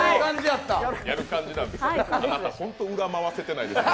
あなた、本当、裏回せてないですね。